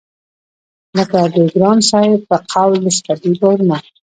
لکه د ګران صاحب په قول د سپرلي بارانونه